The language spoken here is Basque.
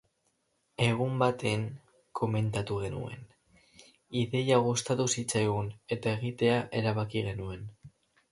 Egun baten komentatu genuen, ideia gustatu zitzaigun, eta egitea erabaki genuen.